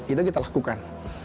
itu kita lakukan